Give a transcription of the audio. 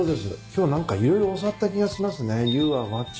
今日何か色々教わった気がしますね。